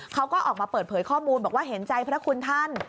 เขาก็ออกมาเปิดเผยข้อมูลบอกว่าเห็นใจพระคุณท่าน